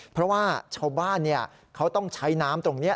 เพราะว่าชาวบ้านเขาต้องใช้น้ำตรงนี้